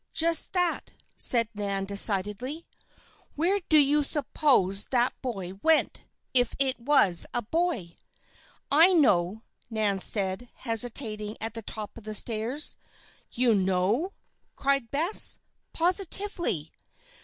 Just that," said Nan, decidedly. "Where do you suppose that boy went if it was a boy?" "I know," Nan said, hesitating at the top of the stairs. "You know?" cried Bess. "Positively!"